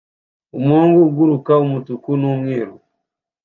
Umuhungu uguruka umutuku n'umweru